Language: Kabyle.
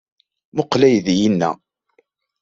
Mmuqqel aydi-inna.